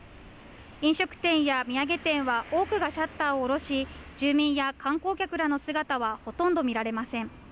飲食店や土産店は、多くがシャッターを下ろし住民や観光客らの姿はほとんど見られません。